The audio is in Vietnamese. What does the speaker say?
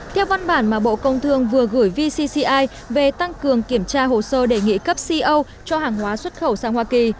theo văn bản mà bộ công thương vừa gửi vcci về tăng cường kiểm tra hồ sơ đề nghị cấp co cho hàng hóa xuất khẩu sang hoa kỳ